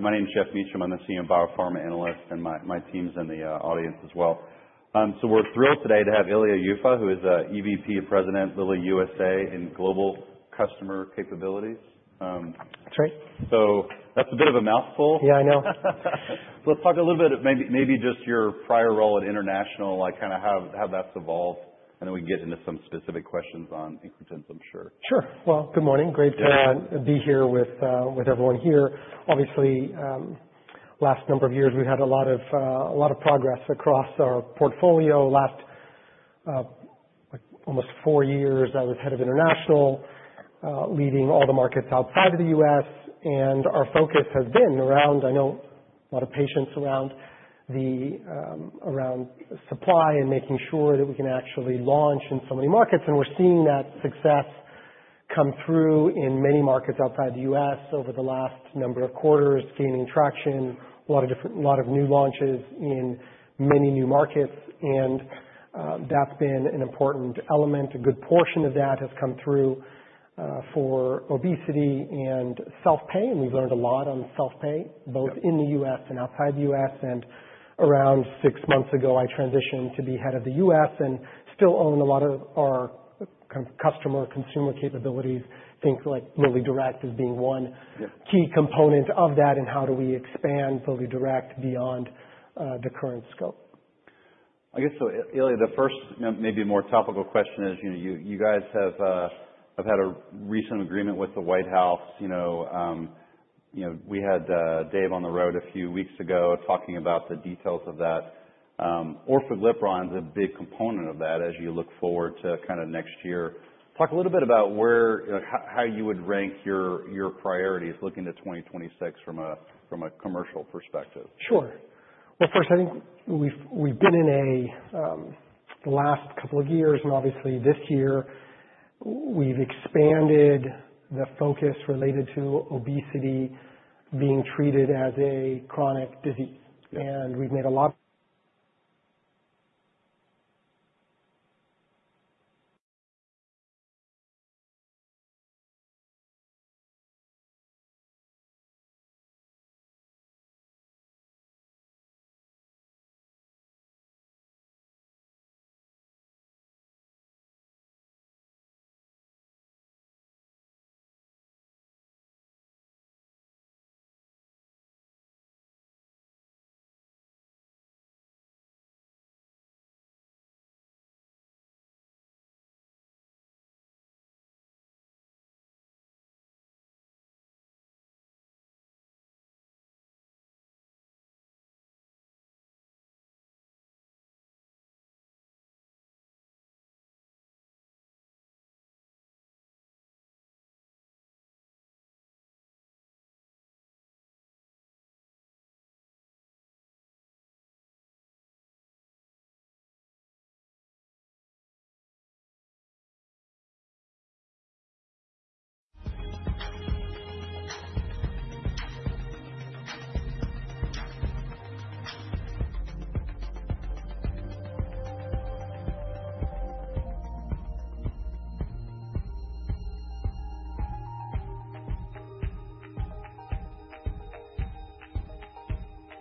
My name's Jeff Meacham. I'm the senior biopharma analyst, and my team's in the audience as well. We're thrilled today to have Ilya Yuffa, who is executive vice president, president, Lilly USA and Global Customer Capabilities. That's right. That's a bit of a mouthful. Yeah, I know. Let's talk a little bit of maybe just your prior role at International, kind of how that's evolved, and then we can get into some specific questions on Incretins, I'm sure. Sure. Good morning. Great to be here with everyone here. Obviously, last number of years, we've had a lot of progress across our portfolio. Last almost four years, I was head of International, leading all the markets outside of the U.S., and our focus has been around, I know, a lot of patience around the supply and making sure that we can actually launch in so many markets. We're seeing that success come through in many markets outside the U.S. over the last number of quarters, gaining traction, a lot of new launches in many new markets. That's been an important element. A good portion of that has come through for obesity and self-pay. We've learned a lot on self-pay, both in the U.S. and outside the U.S. Around six months ago, I transitioned to be head of the U.S and still own a lot of our kind of customer consumer capabilities, things like LillyDirect as being one key component of that, and how do we expand LillyDirect beyond the current scope. I guess, Ilya, the first maybe more topical question is you guys have had a recent agreement with the White House. We had Dave on the road a few weeks ago talking about the details of that. Orforglipron is a big component of that as you look forward to kind of next year. Talk a little bit about how you would rank your priorities looking to 2026 from a commercial perspective. Sure. First, I think we've been in a last couple of years, and obviously this year, we've expanded the focus related to obesity being treated as a chronic disease. We've made a lot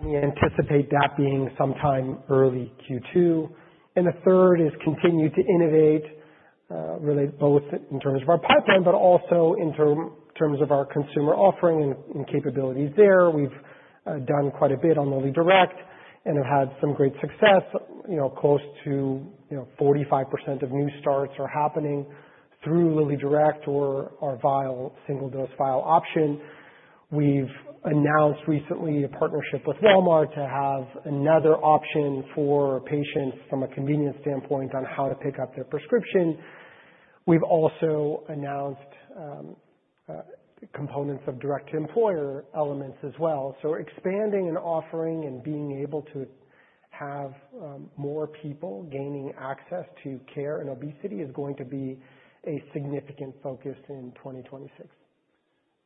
of. We anticipate that being sometime early Q2. The third is continue to innovate both in terms of our pipeline, but also in terms of our consumer offering and capabilities there. We've done quite a bit on LillyDirect and have had some great success. Close to 45% of new starts are happening through LillyDirect or our single-dose vial option. We've announced recently a partnership with Walmart to have another option for patients from a convenience standpoint on how to pick up their prescription. We've also announced components of direct to employer elements as well. Expanding and offering and being able to have more people gaining access to care and obesity is going to be a significant focus in 2026.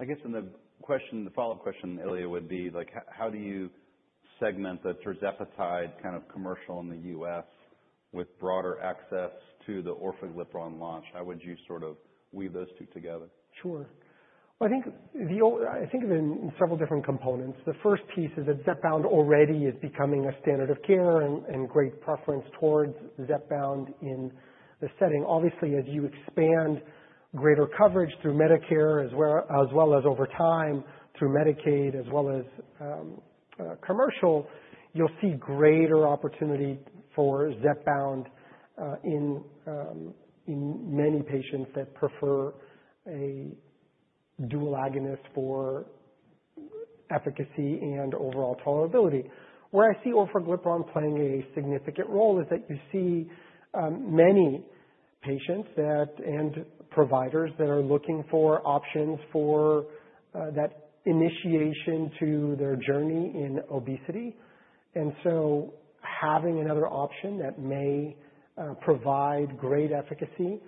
I guess the follow-up question, Ilya, would be how do you segment the Tirzepatide kind of commercial in the U.S. with broader access to the Orforglipron launch? How would you sort of weave those two together? Sure. I think of it in several different components. The first piece is that Zepbound already is becoming a standard of care and great preference towards Zepbound in the setting. Obviously, as you expand greater coverage through Medicare, as well as over time through Medicaid, as well as commercial, you'll see greater opportunity for Zepbound in many patients that prefer a dual agonist for efficacy and overall tolerability. Where I see Orforglipron playing a significant role is that you see many patients and providers that are looking for options for that initiation to their journey in obesity. Having another option that may provide great efficacy,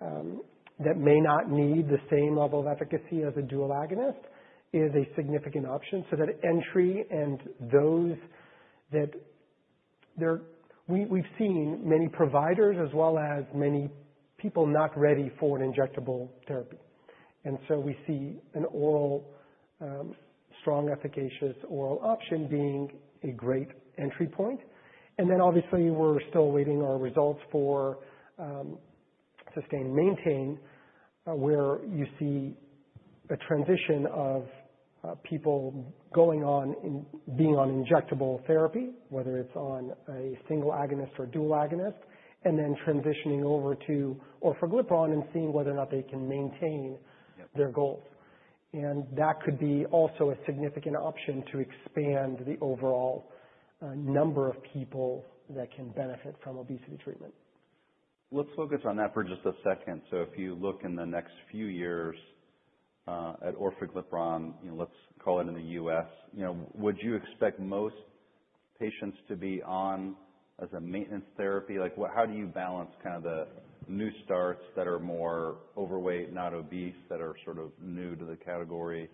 that may not need the same level of efficacy as a dual agonist, is a significant option. That entry and those that we've seen, many providers as well as many people not ready for an injectable therapy. We see a strong efficacious oral option being a great entry point. Obviously, we're still awaiting our results for sustained maintain, where you see a transition of people going on and being on injectable therapy, whether it's on a single agonist or dual agonist, and then transitioning over to Orforglipron and seeing whether or not they can maintain their goals. That could be also a significant option to expand the overall number of people that can benefit from obesity treatment. Let's focus on that for just a second. If you look in the next few years at Orforglipron, let's call it in the U.S., would you expect most patients to be on as a maintenance therapy? How do you balance kind of the new starts that are more overweight, not obese, that are sort of new to the category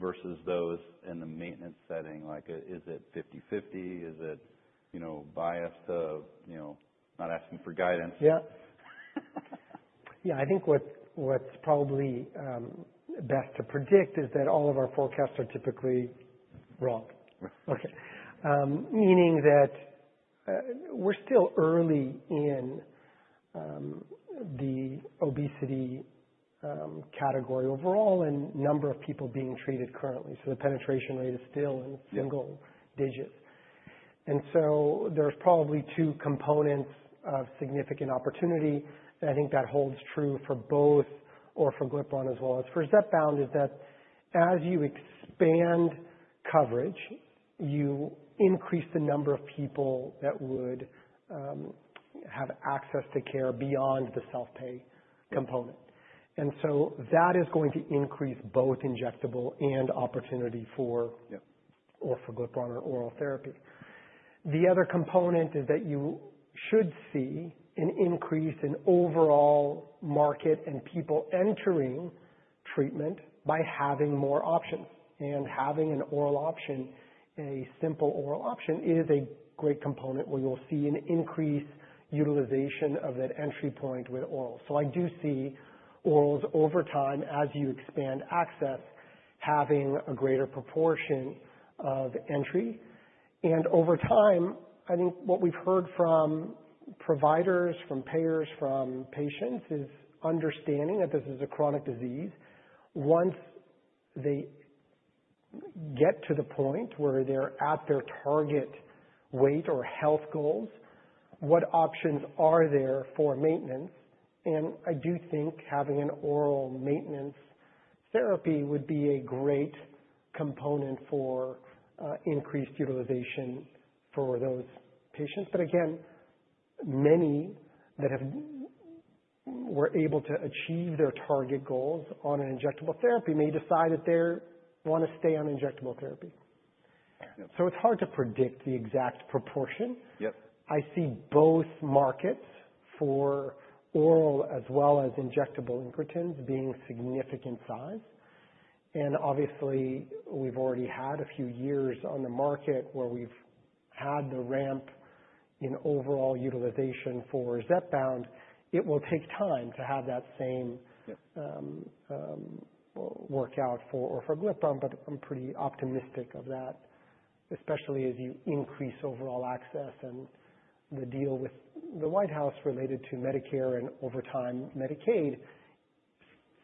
versus those in the maintenance setting? Is it 50/50? Is it biased to not asking for guidance? Yeah. Yeah, I think what's probably best to predict is that all of our forecasts are typically wrong. Okay. Meaning that we're still early in the obesity category overall and number of people being treated currently. The penetration rate is still in single digits. There are probably two components of significant opportunity. I think that holds true for both Orforglipron as well as for Zepbound, that as you expand coverage, you increase the number of people that would have access to care beyond the self-pay component. That is going to increase both injectable and opportunity for Orforglipron or oral therapy. The other component is that you should see an increase in overall market and people entering treatment by having more options. Having an oral option, a simple oral option, is a great component where you'll see an increased utilization of that entry point with orals. I do see orals over time as you expand access having a greater proportion of entry. Over time, I think what we've heard from providers, from payers, from patients is understanding that this is a chronic disease. Once they get to the point where they're at their target weight or health goals, what options are there for maintenance? I do think having an oral maintenance therapy would be a great component for increased utilization for those patients. Again, many that were able to achieve their target goals on an injectable therapy may decide that they want to stay on injectable therapy. It's hard to predict the exact proportion. I see both markets for oral as well as injectable Incretins being significant size. Obviously, we've already had a few years on the market where we've had the ramp in overall utilization for Zepbound. It will take time to have that same work out for Orforglipron, but I'm pretty optimistic of that, especially as you increase overall access and the deal with the White House related to Medicare and over time Medicaid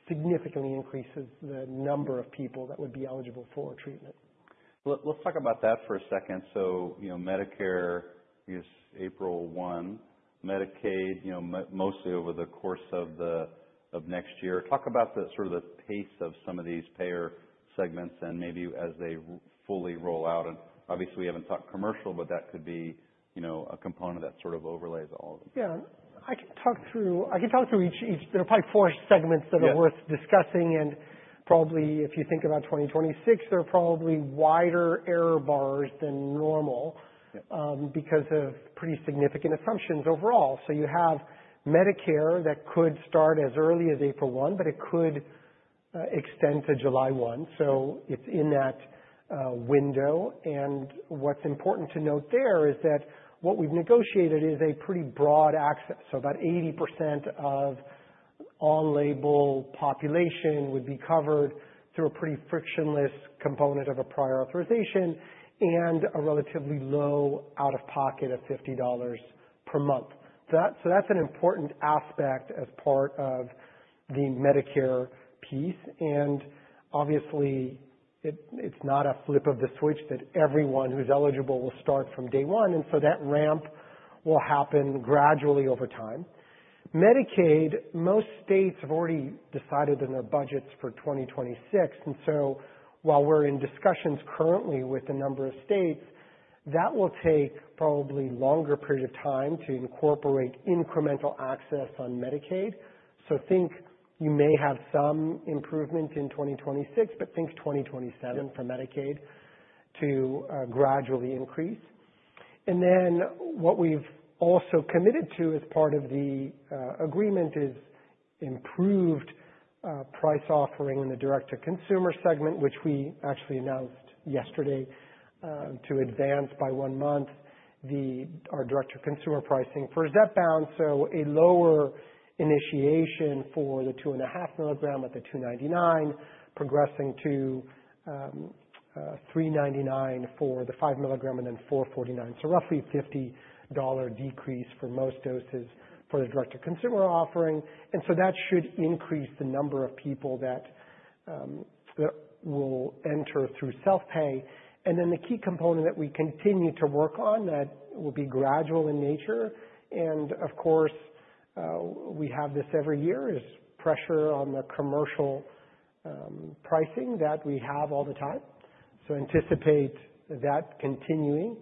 significantly increases the number of people that would be eligible for treatment. Let's talk about that for a second. Medicare is April 1, Medicaid mostly over the course of next year. Talk about sort of the pace of some of these payer segments and maybe as they fully roll out. Obviously, we haven't talked commercial, but that could be a component that sort of overlays all of them. Yeah. I can talk through each. There are probably four segments that are worth discussing. If you think about 2026, there are probably wider error bars than normal because of pretty significant assumptions overall. You have Medicare that could start as early as April 1, but it could extend to July 1. It is in that window. What is important to note there is that what we have negotiated is a pretty broad access. About 80% of on-label population would be covered through a pretty frictionless component of a prior authorization and a relatively low out-of-pocket of $50 per month. That is an important aspect as part of the Medicare piece. Obviously, it is not a flip of the switch that everyone who is eligible will start from day one. That ramp will happen gradually over time. Medicaid, most states have already decided in their budgets for 2026. While we're in discussions currently with a number of states, that will take probably a longer period of time to incorporate incremental access on Medicaid. Think you may have some improvement in 2026, but think 2027 for Medicaid to gradually increase. What we've also committed to as part of the agreement is improved price offering in the direct to consumer segment, which we actually announced yesterday to advance by one month our direct to consumer pricing for Zepbound. A lower initiation for the 2.5 mg at the $299, progressing to $399 for the 5 mg and then $449. Roughly a $50 decrease for most doses for the direct to consumer offering. That should increase the number of people that will enter through self-pay. The key component that we continue to work on that will be gradual in nature. Of course, we have this every year is pressure on the commercial pricing that we have all the time. Anticipate that continuing.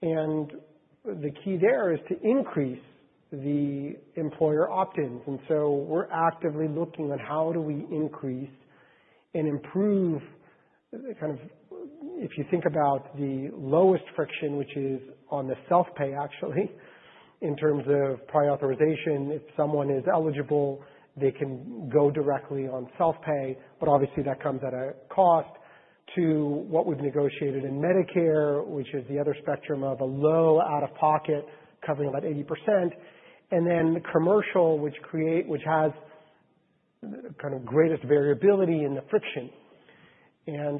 The key there is to increase the employer opt-ins. We are actively looking on how do we increase and improve kind of if you think about the lowest friction, which is on the self-pay actually in terms of prior authorization, if someone is eligible, they can go directly on self-pay, but obviously that comes at a cost to what we have negotiated in Medicare, which is the other spectrum of a low out-of-pocket covering about 80%. The commercial, which has kind of greatest variability in the friction.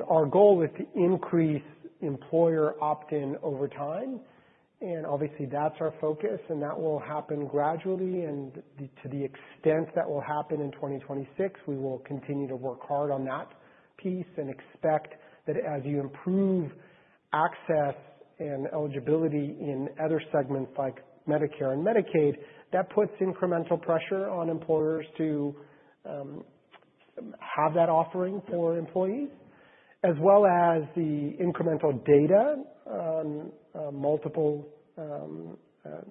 Our goal is to increase employer opt-in over time. Obviously that's our focus and that will happen gradually. To the extent that will happen in 2026, we will continue to work hard on that piece and expect that as you improve access and eligibility in other segments like Medicare and Medicaid, that puts incremental pressure on employers to have that offering for employees, as well as the incremental data on multiple,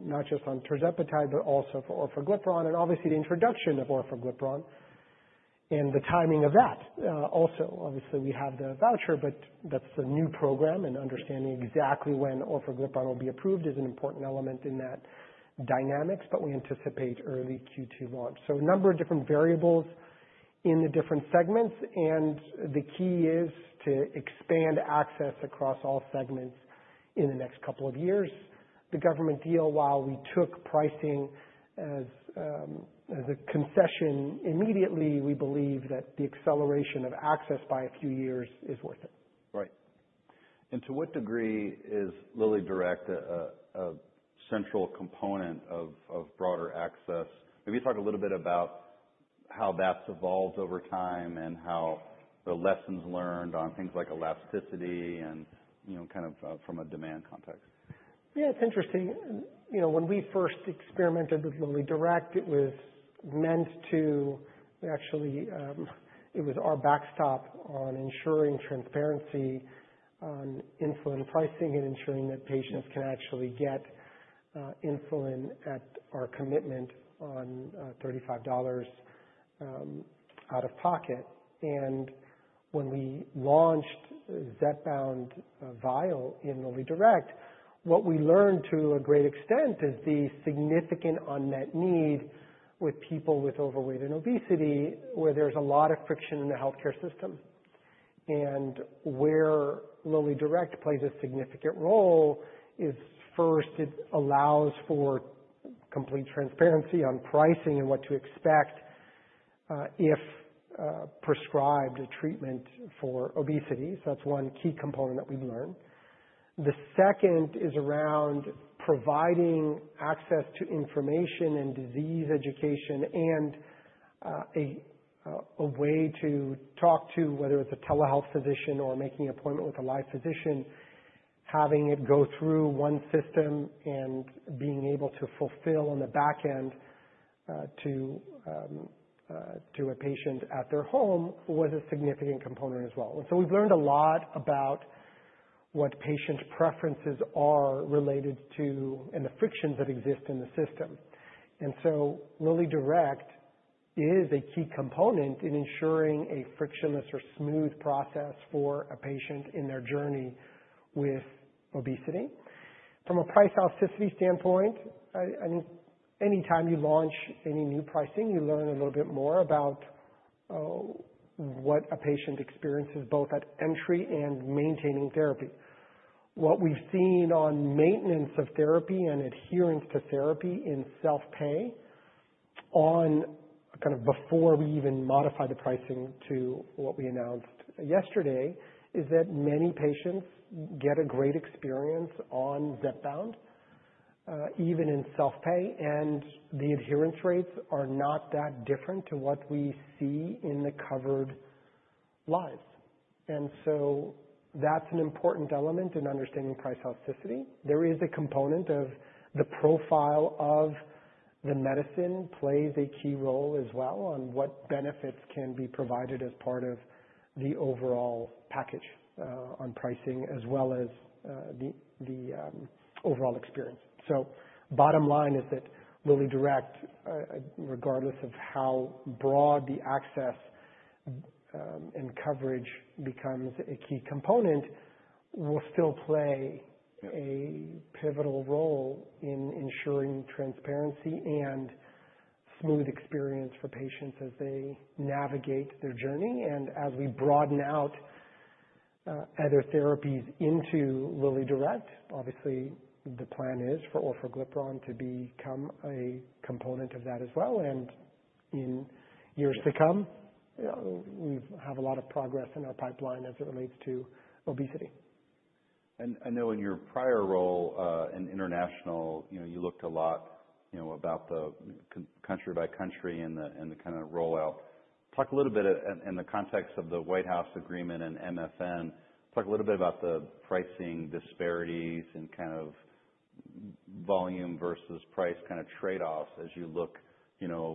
not just on Tirzepatide, but also for Orforglipron and obviously the introduction of Orforglipron and the timing of that. Also, obviously we have the voucher, but that's the new program and understanding exactly when Orforglipron will be approved is an important element in that dynamics, but we anticipate early Q2 launch. A number of different variables in the different segments. The key is to expand access across all segments in the next couple of years. The government deal, while we took pricing as a concession immediately, we believe that the acceleration of access by a few years is worth it. Right. To what degree is LillyDirect a central component of broader access? Maybe talk a little bit about how that's evolved over time and how the lessons learned on things like elasticity and kind of from a demand context. Yeah, it's interesting. When we first experimented with LillyDirect, it was meant to actually, it was our backstop on ensuring transparency on insulin pricing and ensuring that patients can actually get insulin at our commitment on $35 out-of-pocket. When we launched Zepbound Vial in LillyDirect, what we learned to a great extent is the significant unmet need with people with overweight and obesity where there's a lot of friction in the healthcare system. Where LillyDirect plays a significant role is first, it allows for complete transparency on pricing and what to expect if prescribed a treatment for obesity. That's one key component that we've learned. The second is around providing access to information and disease education and a way to talk to whether it's a telehealth physician or making an appointment with a live physician, having it go through one system and being able to fulfill on the backend to a patient at their home was a significant component as well. We have learned a lot about what patient preferences are related to and the frictions that exist in the system. LillyDirect is a key component in ensuring a frictionless or smooth process for a patient in their journey with obesity. From a price elasticity standpoint, I think anytime you launch any new pricing, you learn a little bit more about what a patient experiences both at entry and maintaining therapy. What we've seen on maintenance of therapy and adherence to therapy in self-pay on kind of before we even modify the pricing to what we announced yesterday is that many patients get a great experience on Zepbound, even in self-pay, and the adherence rates are not that different to what we see in the covered lives. That is an important element in understanding price elasticity. There is a component of the profile of the medicine plays a key role as well on what benefits can be provided as part of the overall package on pricing as well as the overall experience. Bottom line is that LillyDirect, regardless of how broad the access and coverage becomes a key component, will still play a pivotal role in ensuring transparency and smooth experience for patients as they navigate their journey. As we broaden out other therapies into LillyDirect, obviously the plan is for Orforglipron to become a component of that as well. In years to come, we have a lot of progress in our pipeline as it relates to obesity. I know in your prior role in international, you looked a lot about the country by country and the kind of rollout. Talk a little bit in the context of the White House agreement and MFN. Talk a little bit about the pricing disparities and kind of volume versus price kind of trade-offs as you look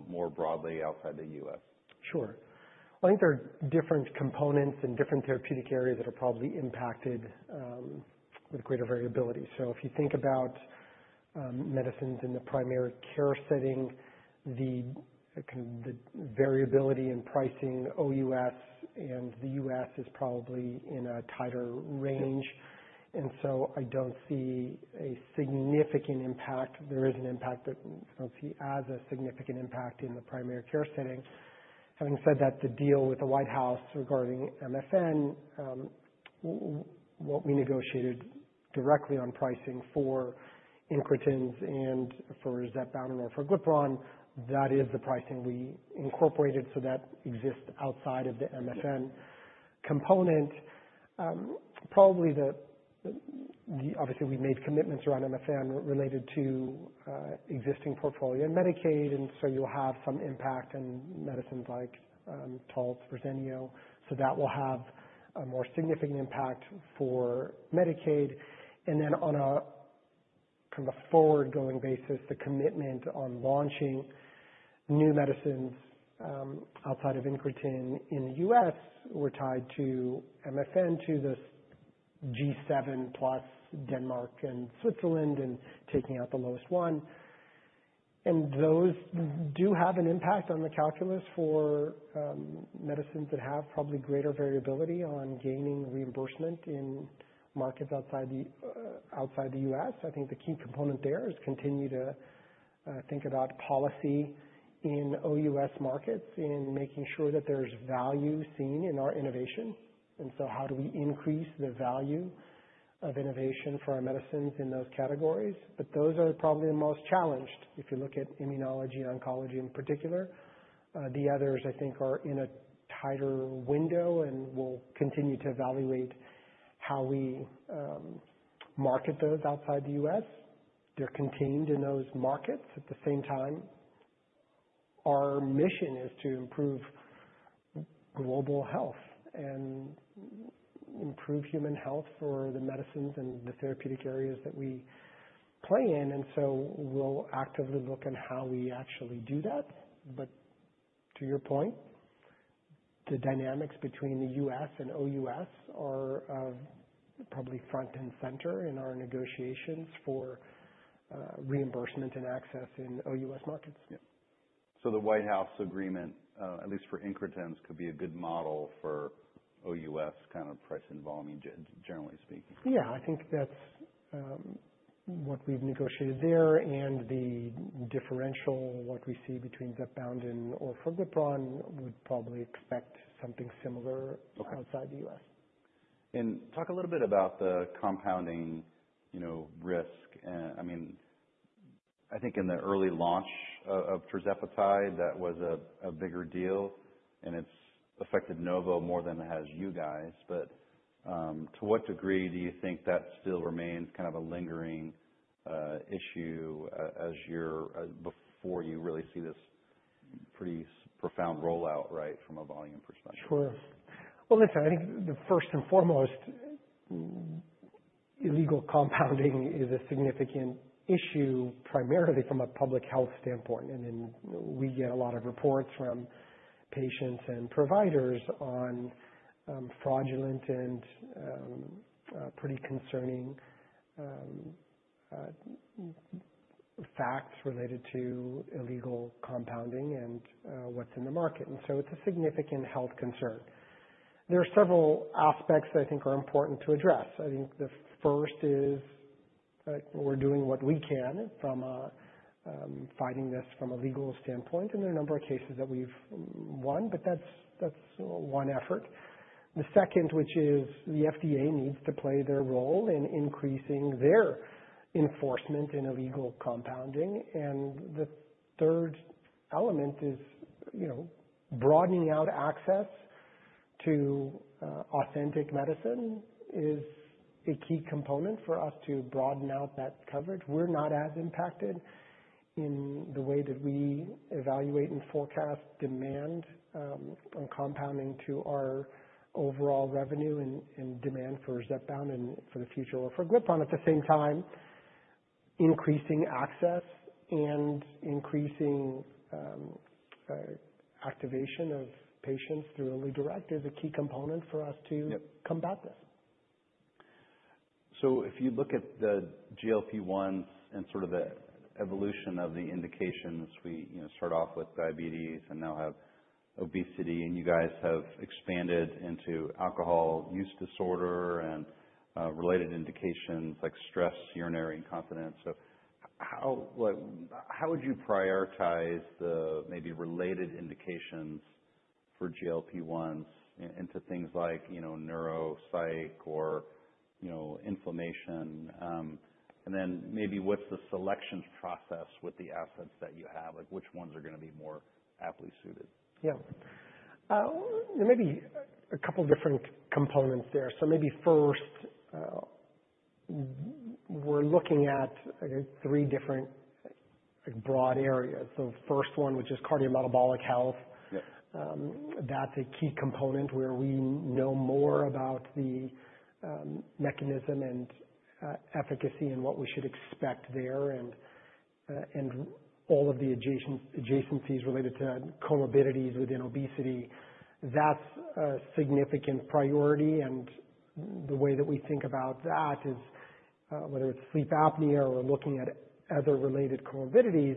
more broadly outside the U.S. Sure. I think there are different components and different therapeutic areas that are probably impacted with greater variability. If you think about medicines in the primary care setting, the variability in pricing OUS and the U.S. is probably in a tighter range. I don't see a significant impact. There is an impact, but I don't see it as a significant impact in the primary care setting. Having said that, the deal with the White House regarding MFN, what we negotiated directly on pricing for Incretins and for Zepbound and Orforglipron, that is the pricing we incorporated. That exists outside of the MFN component. Obviously, we made commitments around MFN related to existing portfolio and Medicaid. You'll have some impact on medicines like Taltz, Verzenio. That will have a more significant impact for Medicaid. On a kind of a forward-going basis, the commitment on launching new medicines outside of Incretin in the U.S. were tied to MFN to the G7+ Denmark and Switzerland and taking out the lowest one. Those do have an impact on the calculus for medicines that have probably greater variability on gaining reimbursement in markets outside the U.S. I think the key component there is continue to think about policy in OUS markets and making sure that there's value seen in our innovation. How do we increase the value of innovation for our medicines in those categories? Those are probably the most challenged if you look at immunology and oncology in particular. The others I think are in a tighter window and we'll continue to evaluate how we market those outside the U.S. They're contained in those markets. At the same time, our mission is to improve global health and improve human health for the medicines and the therapeutic areas that we play in. We will actively look at how we actually do that. To your point, the dynamics between the U.S. and OUS are probably front and center in our negotiations for reimbursement and access in OUS markets. Yeah. The White House agreement, at least for Incretins, could be a good model for OUS kind of price and volume, generally speaking. Yeah, I think that's what we've negotiated there. The differential, what we see between Zepbound and Orforglipron, would probably expect something similar outside the U.S. Talk a little bit about the compounding risk. I mean, I think in the early launch of Tirzepatide, that was a bigger deal and it's affected Novo more than it has you guys. To what degree do you think that still remains kind of a lingering issue before you really see this pretty profound rollout, right, from a volume perspective? Sure. Listen, I think the first and foremost, illegal compounding is a significant issue primarily from a public health standpoint. We get a lot of reports from patients and providers on fraudulent and pretty concerning facts related to illegal compounding and what's in the market. It is a significant health concern. There are several aspects that I think are important to address. I think the first is we're doing what we can from fighting this from a legal standpoint. There are a number of cases that we've won, but that's one effort. The second, which is the FDA needs to play their role in increasing their enforcement in illegal compounding. The third element is broadening out access to authentic medicine is a key component for us to broaden out that coverage. We're not as impacted in the way that we evaluate and forecast demand on compounding to our overall revenue and demand for Zepbound and for the future Orforglipron. At the same time, increasing access and increasing activation of patients through LillyDirect is a key component for us to combat this. If you look at the GLP-1s and sort of the evolution of the indications, we start off with diabetes and now have obesity and you guys have expanded into alcohol use disorder and related indications like stress, urinary incontinence. How would you prioritize the maybe related indications for GLP-1s into things like neuropsychology or inflammation? Then maybe what's the selections process with the assets that you have? Like which ones are going to be more aptly suited? Yeah. Maybe a couple of different components there. Maybe first, we're looking at three different broad areas. First one, which is cardiometabolic health. That's a key component where we know more about the mechanism and efficacy and what we should expect there and all of the adjacencies related to comorbidities within obesity. That's a significant priority. The way that we think about that is whether it's sleep apnea or looking at other related comorbidities,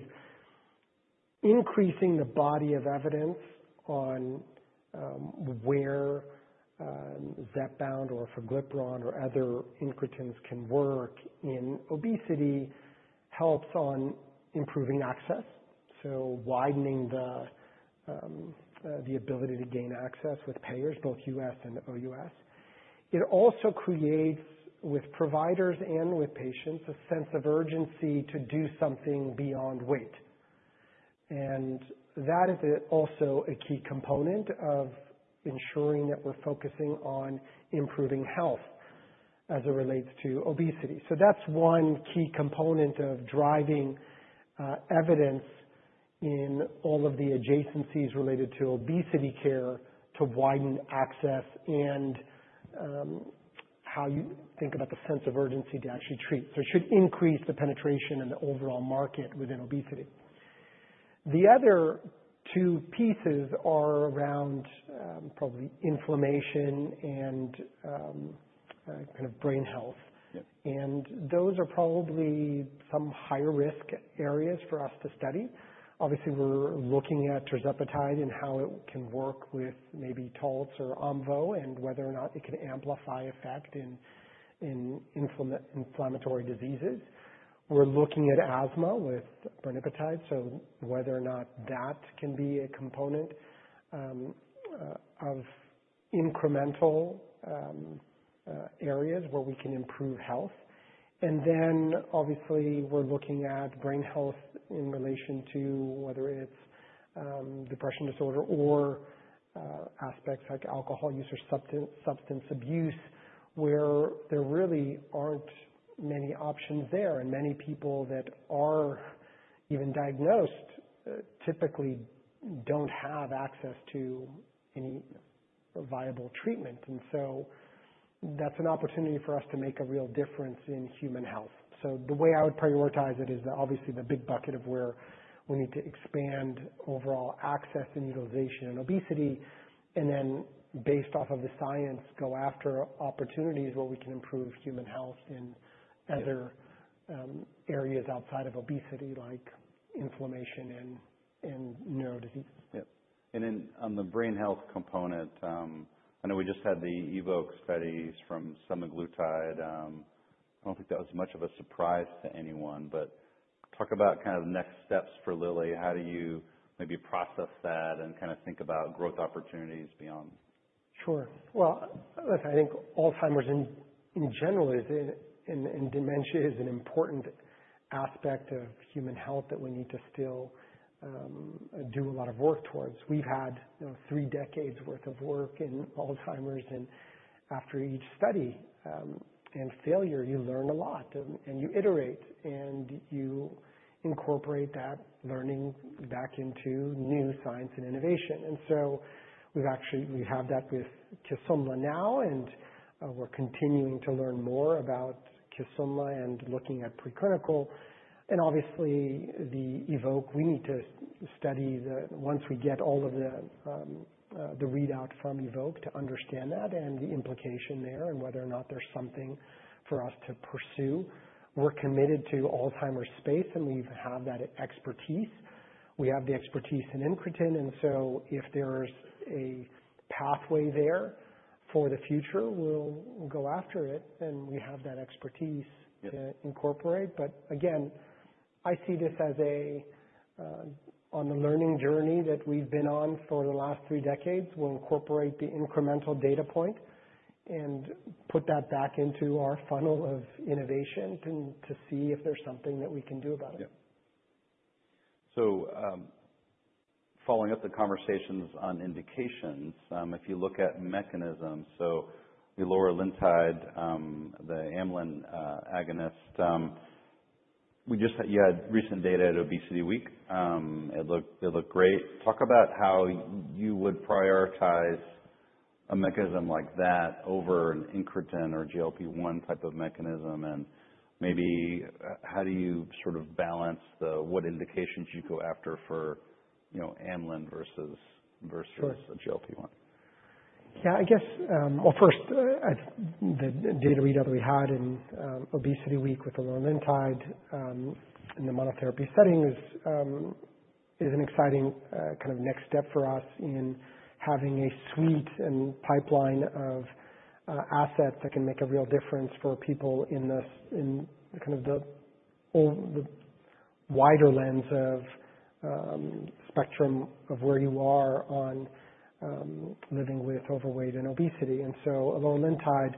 increasing the body of evidence on where Zepbound or Orforglipron or other incretins can work in obesity helps on improving access. Widening the ability to gain access with payers, both U.S. and OUS. It also creates with providers and with patients a sense of urgency to do something beyond weight. That is also a key component of ensuring that we're focusing on improving health as it relates to obesity. That's one key component of driving evidence in all of the adjacencies related to obesity care to widen access and how you think about the sense of urgency to actually treat. It should increase the penetration and the overall market within obesity. The other two pieces are around probably inflammation and kind of brain health. Those are probably some higher risk areas for us to study. Obviously, we're looking at Tirzepatide and how it can work with maybe Taltz or Omvoh and whether or not it can amplify effect in inflammatory diseases. We're looking at asthma with Bempikibart. Whether or not that can be a component of incremental areas where we can improve health. Obviously, we're looking at brain health in relation to whether it's depression disorder or aspects like alcohol use or substance abuse, where there really aren't many options there. Many people that are even diagnosed typically do not have access to any viable treatment. That is an opportunity for us to make a real difference in human health. The way I would prioritize it is obviously the big bucket of where we need to expand overall access and utilization in obesity. Based off of the science, go after opportunities where we can improve human health in other areas outside of obesity like inflammation and neurodiseases. Yeah. And then on the brain health component, I know we just had the EVOKE studies from Semaglutide. I do not think that was much of a surprise to anyone, but talk about kind of next steps for Lilly. How do you maybe process that and kind of think about growth opportunities beyond? Sure. Listen, I think Alzheimer's in general and dementia is an important aspect of human health that we need to still do a lot of work towards. We've had three decades' worth of work in Alzheimer's. After each study and failure, you learn a lot and you iterate and you incorporate that learning back into new science and innovation. We have that with Kisunla now. We're continuing to learn more about Kisunla and looking at preclinical. Obviously, the EVOKE, we need to study once we get all of the readout from EVOKE to understand that and the implication there and whether or not there's something for us to pursue. We're committed to Alzheimer's space and we have that expertise. We have the expertise in Incretin. If there's a pathway there for the future, we'll go after it. We have that expertise to incorporate. I see this as a learning journey that we've been on for the last three decades. We'll incorporate the incremental data point and put that back into our funnel of innovation to see if there's something that we can do about it. Yeah. Following up the conversations on indications, if you look at mechanisms, so the Cagrilintide, the amylin agonist, you had recent data at Obesity Week. It looked great. Talk about how you would prioritize a mechanism like that over an incretin or GLP-1 type of mechanism. Maybe how do you sort of balance what indications you go after for amylin versus a GLP-1? Yeah, I guess, first, the data readout that we had in Obesity Week with the Cagrilintide in the monotherapy setting is an exciting kind of next step for us in having a suite and pipeline of assets that can make a real difference for people in kind of the wider lens of spectrum of where you are on living with overweight and obesity. And so Cagrilintide,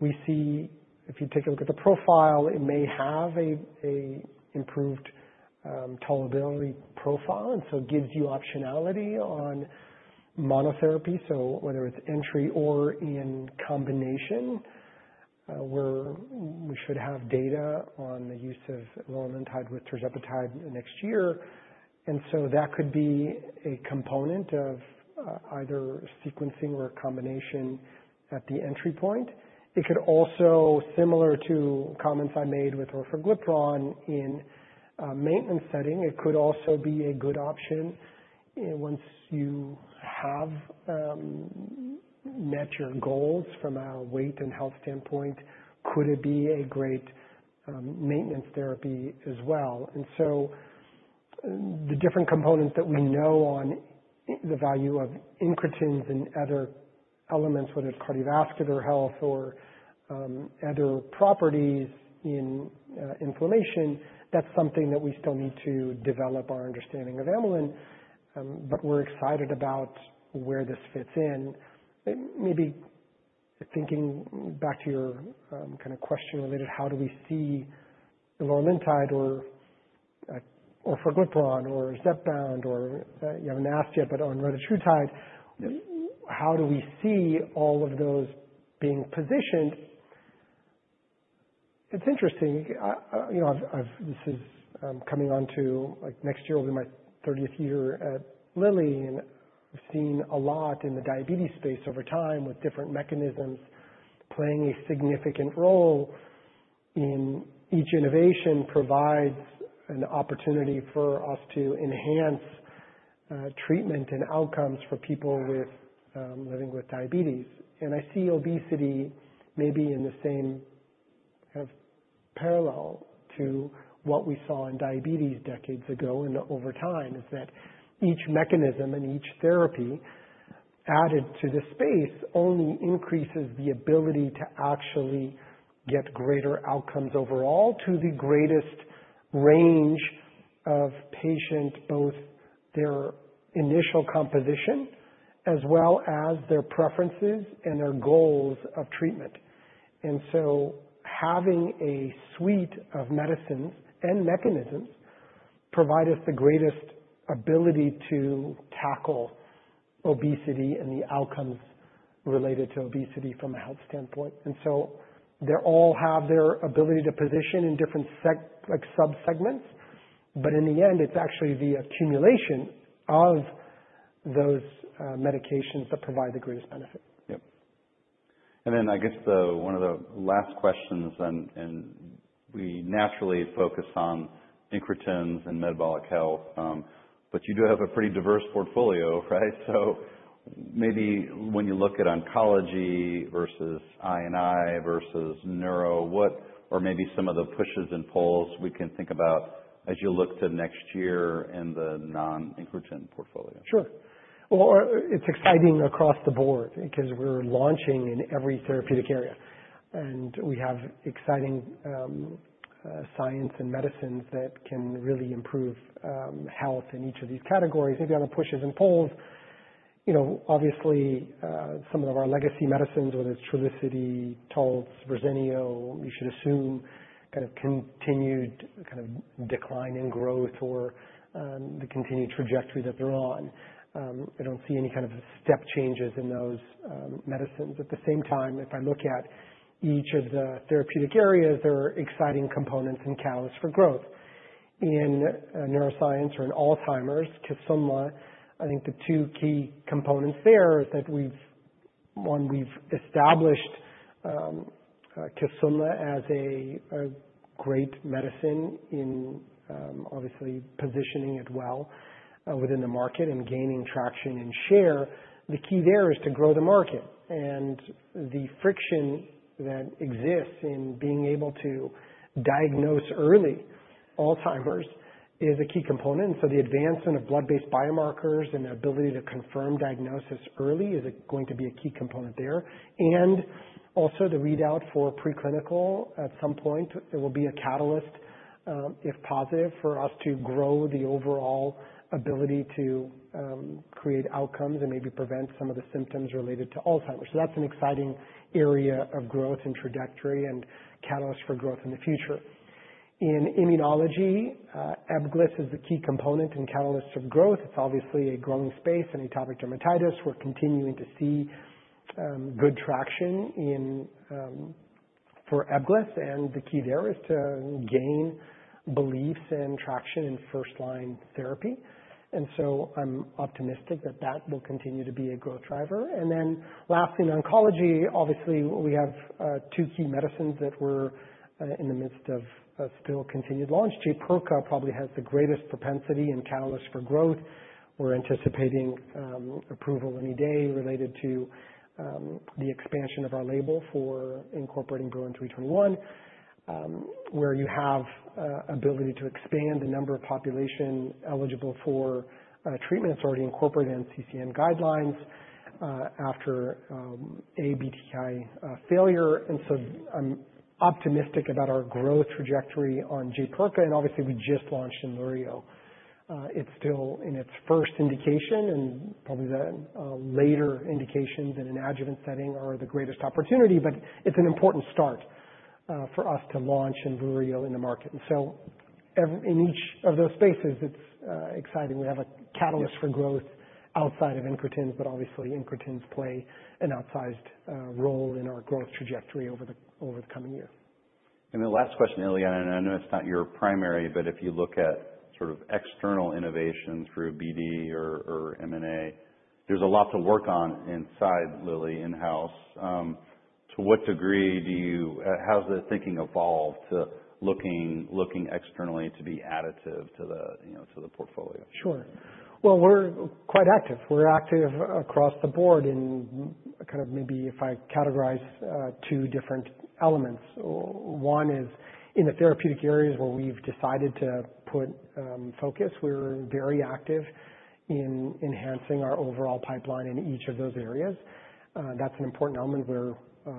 we see if you take a look at the profile, it may have an improved tolerability profile. And so it gives you optionality on monotherapy. So whether it's entry or in combination, where we should have data on the use of Cagrilintide with Tirzepatide next year. And so that could be a component of either sequencing or a combination at the entry point. It could also, similar to comments I made with Orforglipron in a maintenance setting, it could also be a good option once you have met your goals from a weight and health standpoint, could it be a great maintenance therapy as well? The different components that we know on the value of incretins and other elements, whether it's cardiovascular health or other properties in inflammation, that's something that we still need to develop our understanding of amylin. We are excited about where this fits in. Maybe thinking back to your kind of question related, how do we see the Cagrilintide or Orforglipron or Zepbound or you haven't asked yet, but on Retatrutide, how do we see all of those being positioned? It's interesting. This is coming on to next year, it'll be my 30th year at Lilly. I have seen a lot in the diabetes space over time with different mechanisms playing a significant role in each innovation provides an opportunity for us to enhance treatment and outcomes for people living with diabetes. I see obesity maybe in the same kind of parallel to what we saw in diabetes decades ago and over time is that each mechanism and each therapy added to the space only increases the ability to actually get greater outcomes overall to the greatest range of patient, both their initial composition as well as their preferences and their goals of treatment. Having a suite of medicines and mechanisms provides us the greatest ability to tackle obesity and the outcomes related to obesity from a health standpoint. They all have their ability to position in different subsegments, but in the end, it's actually the accumulation of those medications that provide the greatest benefit. Yep. I guess one of the last questions, and we naturally focus on Incretins and metabolic health, but you do have a pretty diverse portfolio, right? Maybe when you look at oncology versus immunology versus neuro, what are maybe some of the pushes and pulls we can think about as you look to next year in the non-Incretin portfolio? Sure. It is exciting across the board because we're launching in every therapeutic area. We have exciting science and medicines that can really improve health in each of these categories. Maybe on the pushes and pulls, obviously, some of our legacy medicines, whether it's Trulicity, Taltz, Verzenio, you should assume kind of continued decline in growth or the continued trajectory that they're on. I don't see any step changes in those medicines. At the same time, if I look at each of the therapeutic areas, there are exciting components and catalysts for growth. In neuroscience or in Alzheimer's, Kisunla, I think the two key components there is that one, we've established Kisunla as a great medicine in obviously positioning it well within the market and gaining traction and share. The key there is to grow the market. The friction that exists in being able to diagnose early Alzheimer's is a key component. The advancement of blood-based biomarkers and the ability to confirm diagnosis early is going to be a key component there. Also, the readout for preclinical at some point will be a catalyst, if positive, for us to grow the overall ability to create outcomes and maybe prevent some of the symptoms related to Alzheimer's. That is an exciting area of growth and trajectory and catalysts for growth in the future. In immunology, Ebglyss is the key component and catalyst of growth. It is obviously a growing space in atopic dermatitis. We are continuing to see good traction for Ebglyss and the key there is to gain beliefs and traction in first-line therapy. I am optimistic that that will continue to be a growth driver. Lastly, in oncology, obviously, we have two key medicines that we're in the midst of still continued launch. Jaypirca probably has the greatest propensity and catalyst for growth. We're anticipating approval any day related to the expansion of our label for incorporating BRUIN CLL-301, where you have the ability to expand the number of population eligible for treatment. It's already incorporated in NCCN guidelines after BTK inhibitor failure. I'm optimistic about our growth trajectory on Jaypirca. Obviously, we just launched Kisunla. It's still in its first indication and probably the later indications in an adjuvant setting are the greatest opportunity, but it's an important start for us to launch Kisunla in the market. In each of those spaces, it's exciting. We have a catalyst for growth outside of Incretins, but obviously, Incretins play an outsized role in our growth trajectory over the coming year. Last question, Lilly, and I know it's not your primary, but if you look at sort of external innovation through BD or M&A, there's a lot to work on inside Lilly in-house. To what degree do you, how has the thinking evolved to looking externally to be additive to the portfolio? Sure. We are quite active. We are active across the board in kind of maybe if I categorize two different elements. One is in the therapeutic areas where we have decided to put focus. We are very active in enhancing our overall pipeline in each of those areas. That is an important element where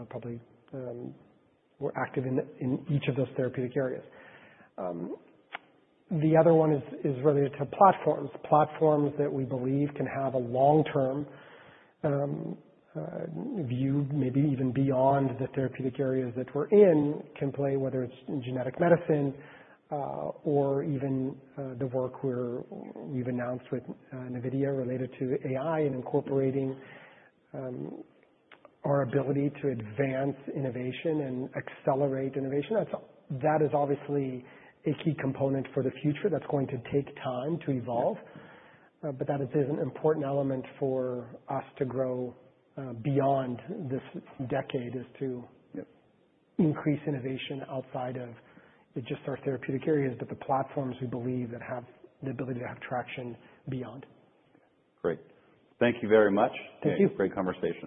probably we are active in each of those therapeutic areas. The other one is related to platforms. Platforms that we believe can have a long-term view, maybe even beyond the therapeutic areas that we are in, can play whether it is genetic medicine or even the work we have announced with NVIDIA related to AI and incorporating our ability to advance innovation and accelerate innovation. That is obviously a key component for the future that is going to take time to evolve. That is an important element for us to grow beyond this decade, to increase innovation outside of just our therapeutic areas, but the platforms we believe that have the ability to have traction beyond. Great. Thank you very much. Thank you. Great conversation.